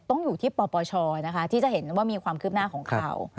ต้องอยู่ที่ปปชนะคะที่จะเห็นว่ามีความคืบหน้าของข่าว